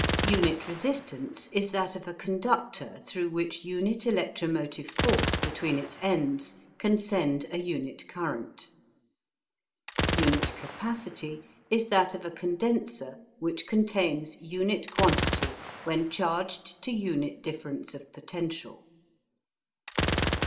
UNIT RESISTANCE is that of a conductor through which unit electromotive force between its ends can send a unit current. UNIT CAPACITY is that of a condenser which contains unit quantity when charged to unit difference of potential.